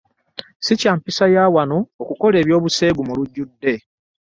Si kya mpisa za wano okukola eby'obuseegu mu lujjudde.